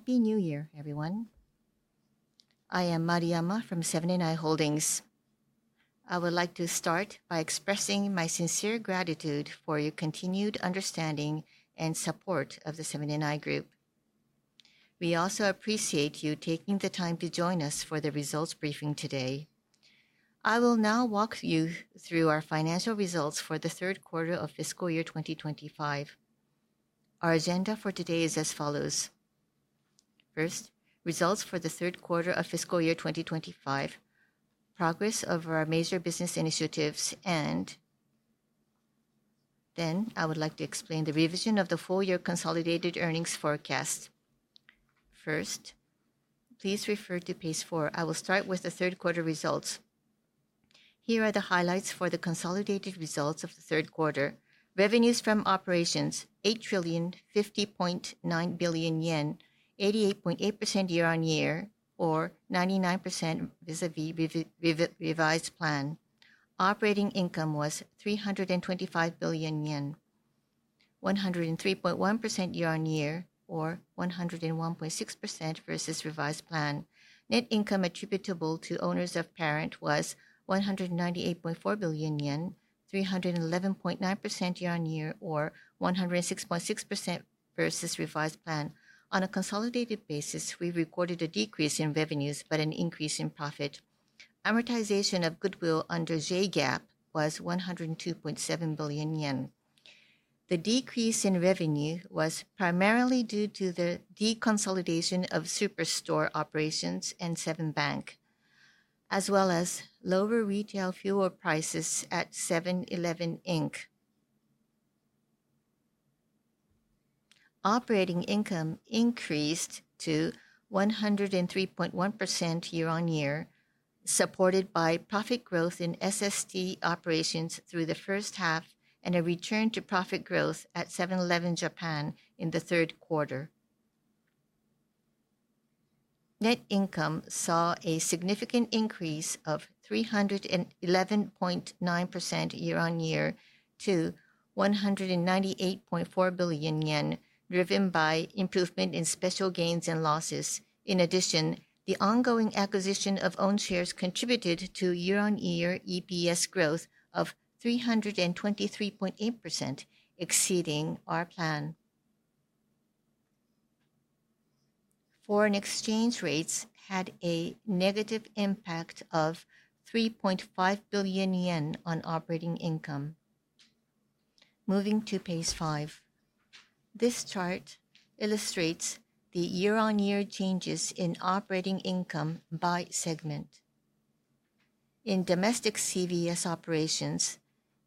Happy New Year, everyone. I am Maruyama from Seven & i Holdings. I would like to start by expressing my sincere gratitude for your continued understanding and support of the Seven & i Group. We also appreciate you taking the time to join us for the results briefing today. I will now walk you through our financial results for the third quarter of fiscal year 2025. Our agenda for today is as follows: First, results for the third quarter of fiscal year 2025, progress of our major business initiatives, and then I would like to explain the revision of the full year consolidated earnings forecast. First, please refer to page 4. I will start with the third quarter results. Here are the highlights for the consolidated results of the third quarter. Revenues from operations, 8,050.9 billion yen, 88.8% year-on-year, or 99% vis-a-vis revised plan. Operating income was 325 billion yen, 103.1% year-on-year, or 101.6% versus revised plan. Net income attributable to owners of parent was 198.4 billion yen, 311.9% year-on-year, or 106.6% versus revised plan. On a consolidated basis, we recorded a decrease in revenues, but an increase in profit. Amortization of goodwill under JGAAP was 102.7 billion yen. The decrease in revenue was primarily due to the deconsolidation of Superstore operations and Seven Bank, as well as lower retail fuel prices at 7-Eleven, Inc. Operating income increased to 103.1% year-on-year, supported by profit growth in SST operations through the first half, and a return to profit growth at Seven-Eleven Japan in the third quarter. Net income saw a significant increase of 311.9% year-on-year to 198.4 billion yen, driven by improvement in special gains and losses. In addition, the ongoing acquisition of own shares contributed to year-on-year EPS growth of 323.8%, exceeding our plan. Foreign exchange rates had a negative impact of 3.5 billion yen on operating income. Moving to page five, this chart illustrates the year-on-year changes in operating income by segment. In domestic CVS operations,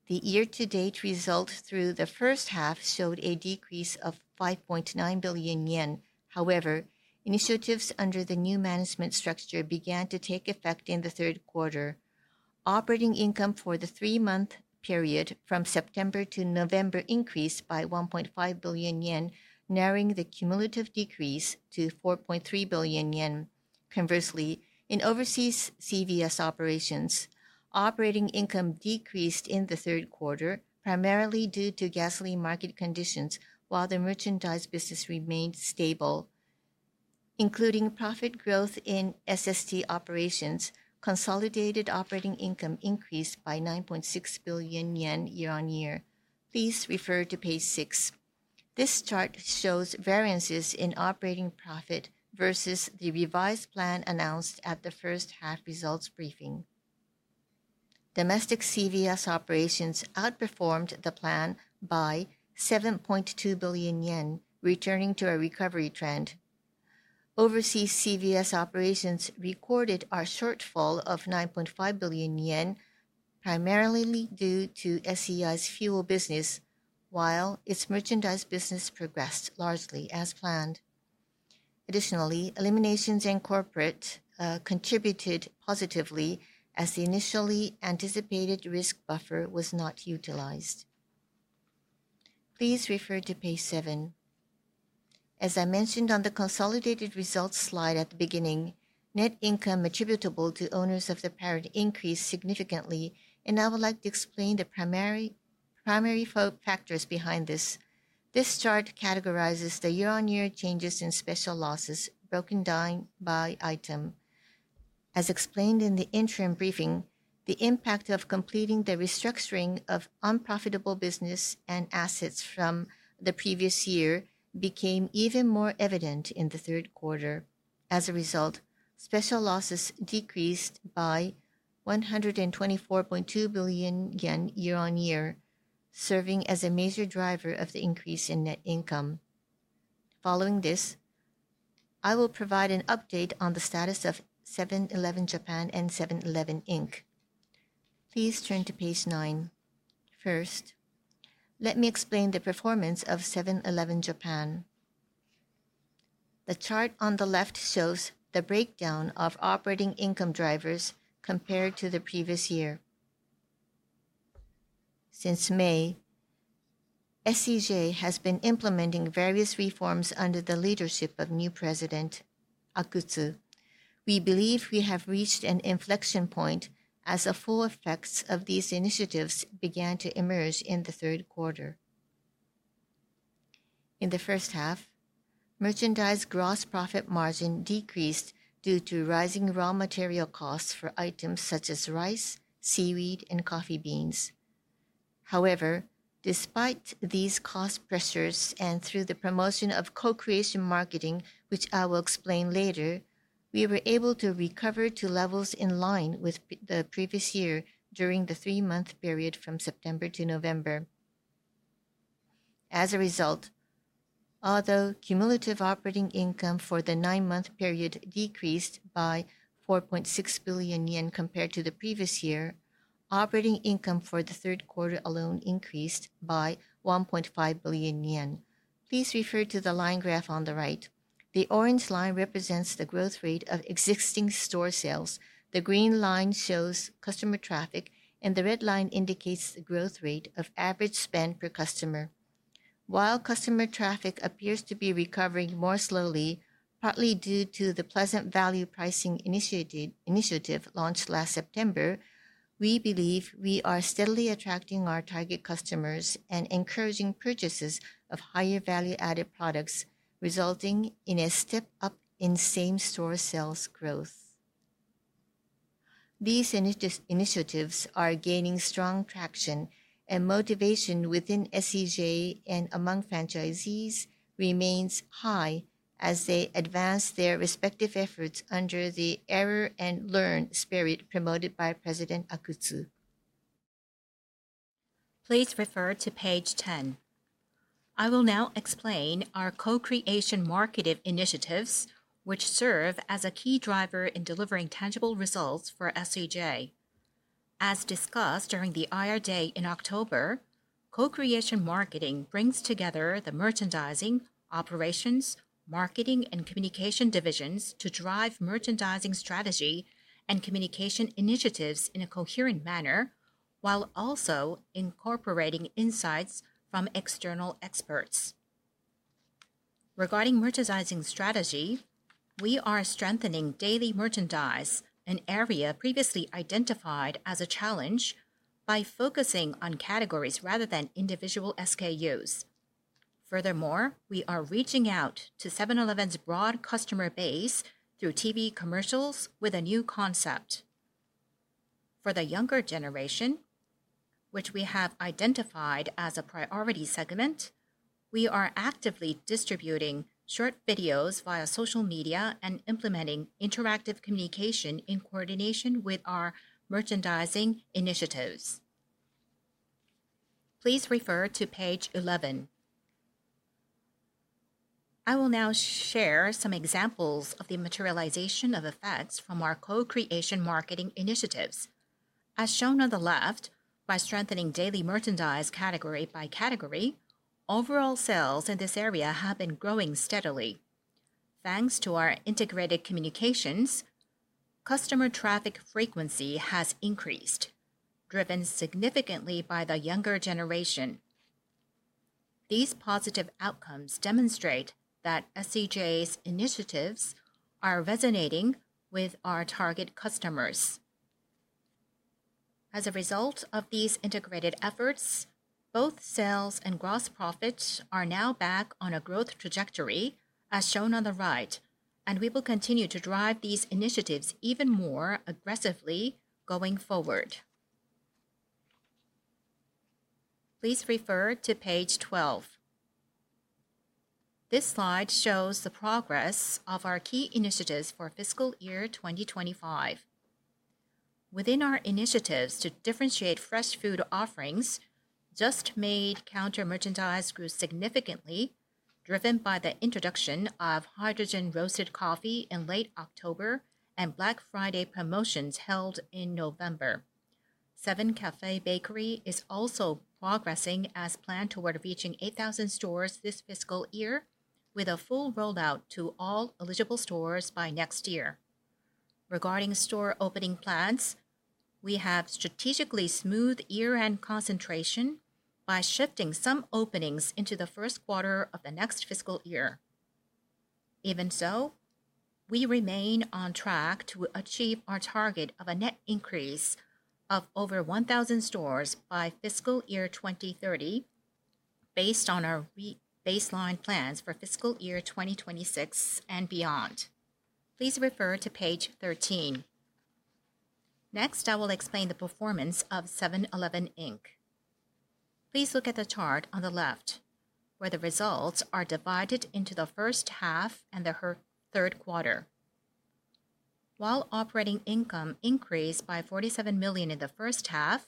the year-to-date result through the first half showed a decrease of 5.9 billion yen. However, initiatives under the new management structure began to take effect in the third quarter. Operating income for the three-month period from September to November increased by 1.5 billion yen, narrowing the cumulative decrease to 4.3 billion yen. Conversely, in overseas CVS operations, operating income decreased in the third quarter, primarily due to gasoline market conditions, while the merchandise business remained stable. Including profit growth in SST operations, consolidated operating income increased by 9.6 billion yen year on year. Please refer to page 6. This chart shows variances in operating profit versus the revised plan announced at the first half results briefing. Domestic CVS operations outperformed the plan by 7.2 billion yen, returning to a recovery trend. Overseas CVS operations recorded a shortfall of 9.5 billion yen, primarily due to SEI's fuel business, while its merchandise business progressed largely as planned. Additionally, eliminations in corporate contributed positively as the initially anticipated risk buffer was not utilized. Please refer to page 7. As I mentioned on the consolidated results slide at the beginning, net income attributable to owners of the parent increased significantly, and I would like to explain the primary factors behind this. This chart categorizes the year-on-year changes in special losses, broken down by item. As explained in the interim briefing, the impact of completing the restructuring of unprofitable business and assets from the previous year became even more evident in the third quarter. As a result, special losses decreased by 124.2 billion yen year-on-year, serving as a major driver of the increase in net income. Following this, I will provide an update on the status of Seven-Eleven Japan and 7-Eleven Inc. Please turn to page 9. First, let me explain the performance of Seven-Eleven Japan. The chart on the left shows the breakdown of operating income drivers compared to the previous year. Since May, SEJ has been implementing various reforms under the leadership of new President Nagamatsu. We believe we have reached an inflection point as the full effects of these initiatives began to emerge in the third quarter. In the first half, merchandise gross profit margin decreased due to rising raw material costs for items such as rice, seaweed, and coffee beans. However, despite these cost pressures, and through the promotion of co-creation marketing, which I will explain later, we were able to recover to levels in line with the previous year during the three-month period from September to November. As a result, although cumulative operating income for the nine-month period decreased by 4.6 billion yen compared to the previous year, operating income for the third quarter alone increased by 1.5 billion yen. Please refer to the line graph on the right. The orange line represents the growth rate of existing store sales, the green line shows customer traffic, and the red line indicates the growth rate of average spend per customer. While customer traffic appears to be recovering more slowly, partly due to the Pleasant Value pricing initiative, initiative launched last September, we believe we are steadily attracting our target customers and encouraging purchases of higher value-added products, resulting in a step up in same-store sales growth. These initiatives are gaining strong traction, and motivation within SEJ and among franchisees remains high as they advance their respective efforts under the error and learn spirit promoted by President Akutsu. Please refer to page 10. I will now explain our co-creation marketing initiatives, which serve as a key driver in delivering tangible results for SEJ. As discussed during the IR day in October, co-creation marketing brings together the merchandising, operations, marketing, and communication divisions to drive merchandising strategy and communication initiatives in a coherent manner, while also incorporating insights from external experts. Regarding merchandising strategy, we are strengthening daily merchandise, an area previously identified as a challenge, by focusing on categories rather than individual SKUs. Furthermore, we are reaching out to 7-Eleven's broad customer base through TV commercials with a new concept. For the younger generation, which we have identified as a priority segment, we are actively distributing short videos via social media and implementing interactive communication in coordination with our merchandising initiatives. Please refer to page 11. I will now share some examples of the materialization of effects from our co-creation marketing initiatives. As shown on the left, by strengthening daily merchandise category by category, overall sales in this area have been growing steadily. Thanks to our integrated communications, customer traffic frequency has increased, driven significantly by the younger generation. These positive outcomes demonstrate that SEJ's initiatives are resonating with our target customers. As a result of these integrated efforts, both sales and gross profits are now back on a growth trajectory, as shown on the right, and we will continue to drive these initiatives even more aggressively going forward. Please refer to page 12. This slide shows the progress of our key initiatives for fiscal year 2025. Within our initiatives to differentiate fresh food offerings, just-made counter merchandise grew significantly, driven by the introduction of hydrogen-roasted coffee in late October and Black Friday promotions held in November. Seven Café Bakery is also progressing as planned toward reaching 8,000 stores this fiscal year, with a full rollout to all eligible stores by next year. Regarding store opening plans, we have strategically smoothed year-end concentration by shifting some openings into the first quarter of the next fiscal year. Even so, we remain on track to achieve our target of a net increase of over 1,000 stores by fiscal year 2030, based on our re-baseline plans for fiscal year 2026 and beyond. Please refer to page 13. Next, I will explain the performance of 7-Eleven, Inc. Please look at the chart on the left, where the results are divided into the first half and the third quarter. While operating income increased by $47 million in the first half,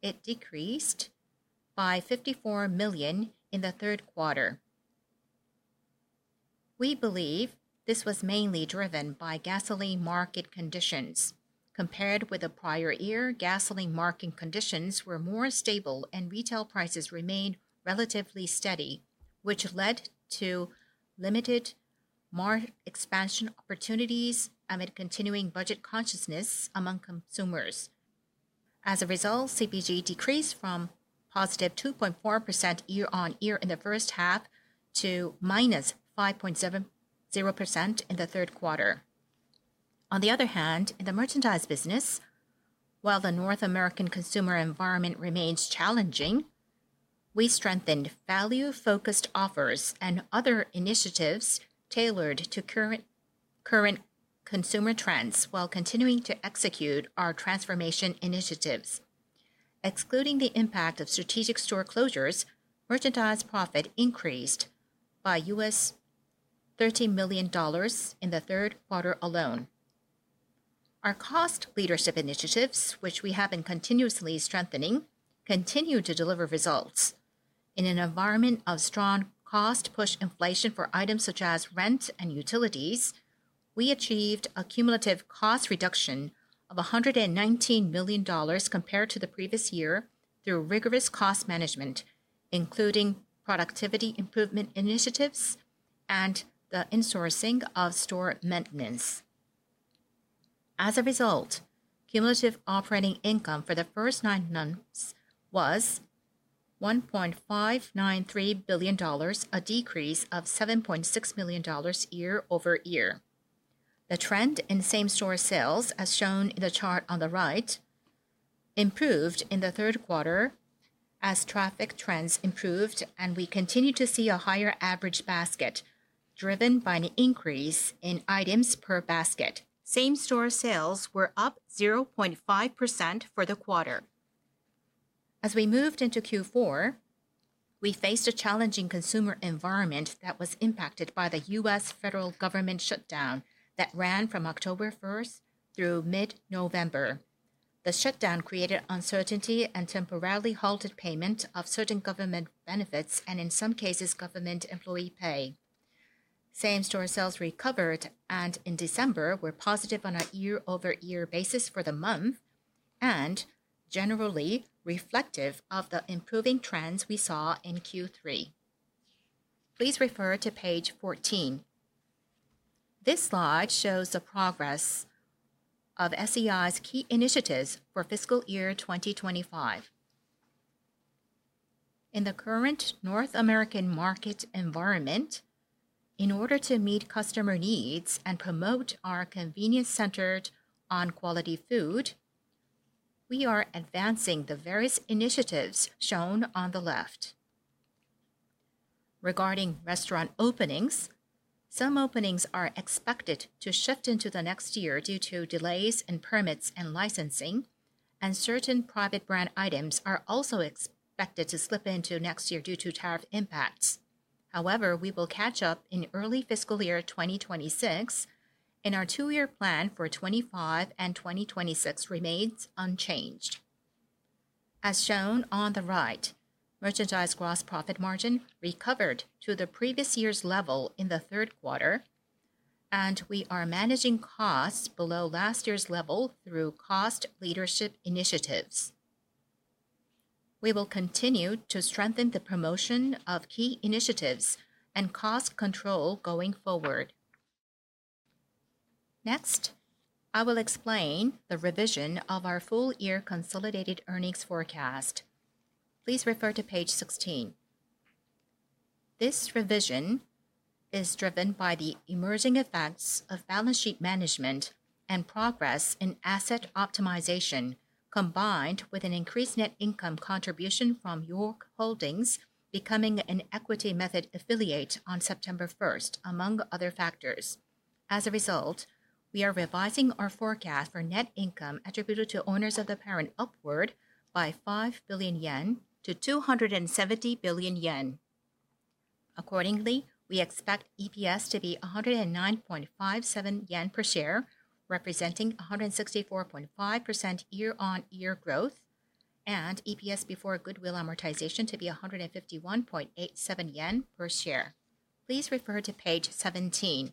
it decreased by $54 million in the third quarter. We believe this was mainly driven by gasoline market conditions. Compared with the prior year, gasoline market conditions were more stable, and retail prices remained relatively steady, which led to limited market expansion opportunities amid continuing budget consciousness among consumers. As a result, CPG decreased from +2.4% year-on-year in the first half to -5.70% in the third quarter. On the other hand, in the merchandise business, while the North American consumer environment remains challenging, we strengthened value-focused offers and other initiatives tailored to current consumer trends, while continuing to execute our transformation initiatives. Excluding the impact of strategic store closures, merchandise profit increased by $13 million in the third quarter alone. Our cost leadership initiatives, which we have been continuously strengthening, continue to deliver results. In an environment of strong cost-push inflation for items such as rent and utilities, we achieved a cumulative cost reduction of $119 million compared to the previous year, through rigorous cost management, including productivity improvement initiatives and the insourcing of store maintenance. As a result, cumulative operating income for the first nine months was $1.593 billion, a decrease of $7.6 million year-over-year. The trend in same-store sales, as shown in the chart on the right, improved in the third quarter as traffic trends improved, and we continued to see a higher average basket, driven by an increase in items per basket. Same-store sales were up 0.5% for the quarter. As we moved into Q4, we faced a challenging consumer environment that was impacted by the U.S. federal government shutdown that ran from October first through mid-November. The shutdown created uncertainty and temporarily halted payment of certain government benefits and, in some cases, government employee pay. Same-store sales recovered, and in December, were positive on a year-over-year basis for the month and generally reflective of the improving trends we saw in Q3. Please refer to page 14. This slide shows the progress of SEI's key initiatives for fiscal year 2025. In the current North American market environment, in order to meet customer needs and promote our convenience-centered on quality food, we are advancing the various initiatives shown on the left. Regarding restaurant openings, some openings are expected to shift into the next year due to delays in permits and licensing, and certain private brand items are also expected to slip into next year due to tariff impacts. However, we will catch up in early fiscal year 2026, and our two-year plan for 2025 and 2026 remains unchanged. As shown on the right, merchandise gross profit margin recovered to the previous year's level in the third quarter, and we are managing costs below last year's level through cost leadership initiatives. We will continue to strengthen the promotion of key initiatives and cost control going forward. Next, I will explain the revision of our full year consolidated earnings forecast. Please refer to page 16. This revision is driven by the emerging effects of balance sheet management and progress in asset optimization, combined with an increased net income contribution from York Holdings, becoming an equity method affiliate on September first, among other factors. As a result, we are revising our forecast for net income attributed to owners of the parent upward by 5 billion yen to 270 billion yen. Accordingly, we expect EPS to be 109.57 yen per share, representing 164.5% year-on-year growth, and EPS before goodwill amortization to be 151.87 yen per share. Please refer to page 17.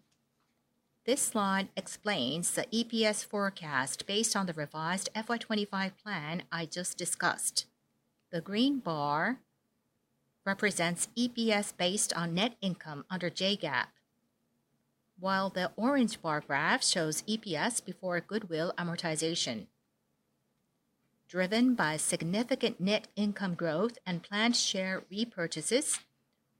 This slide explains the EPS forecast based on the revised FY 2025 plan I just discussed. The green bar represents EPS based on net income under JGAAP, while the orange bar graph shows EPS before goodwill amortization. Driven by significant net income growth and planned share repurchases,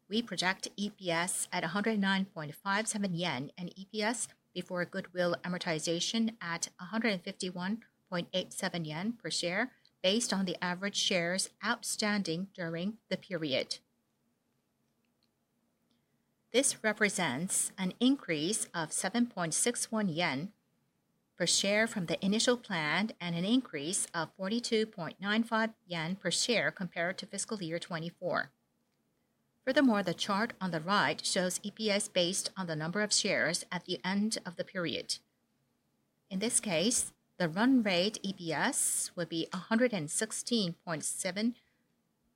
we project EPS at 109.57 yen, and EPS before goodwill amortization at 151.87 yen per share, based on the average shares outstanding during the period. This represents an increase of 7.61 JPY yen per share from the initial plan and an increase of 42.95 JPY yen per share compared to fiscal year 2024. Furthermore, the chart on the right shows EPS based on the number of shares at the end of the period. In this case, the run rate EPS would be 116.7 JPY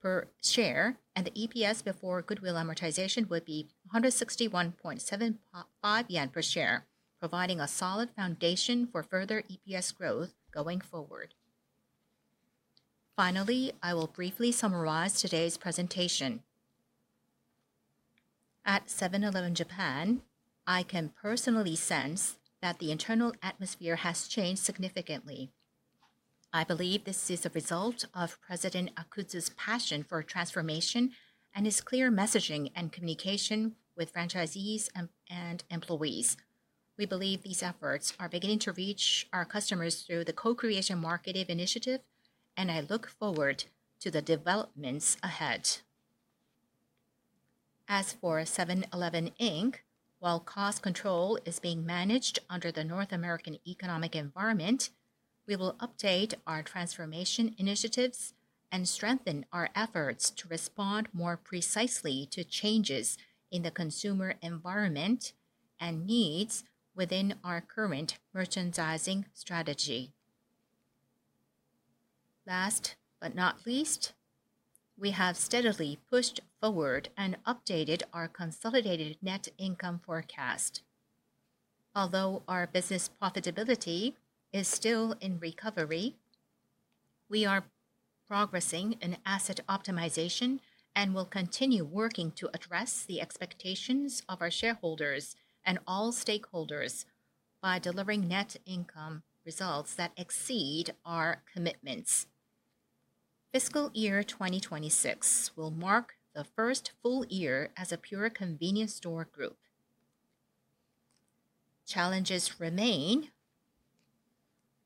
per share, and the EPS before goodwill amortization would be 161.75 yen per share, providing a solid foundation for further EPS growth going forward. Finally, I will briefly summarize today's presentation. At Seven-Eleven Japan, I can personally sense that the internal atmosphere has changed significantly. I believe this is a result of President Akutsu's passion for transformation and his clear messaging and communication with franchisees and employees. We believe these efforts are beginning to reach our customers through the co-creation marketing initiative, and I look forward to the developments ahead. As for 7-Eleven, Inc., while cost control is being managed under the North American economic environment, we will update our transformation initiatives and strengthen our efforts to respond more precisely to changes in the consumer environment and needs within our current merchandising strategy. Last but not least, we have steadily pushed forward and updated our consolidated net income forecast. Although our business profitability is still in recovery, we are progressing in asset optimization and will continue working to address the expectations of our shareholders and all stakeholders by delivering net income results that exceed our commitments. Fiscal year 2026 will mark the first full year as a pure convenience store group. Challenges remain,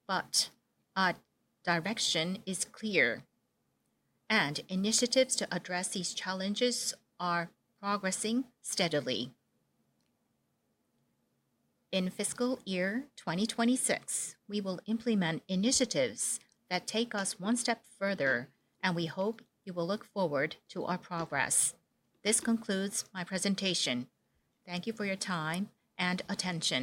but our direction is clear, and initiatives to address these challenges are progressing steadily. In fiscal year 2026, we will implement initiatives that take us one step further, and we hope you will look forward to our progress. This concludes my presentation. Thank you for your time and attention.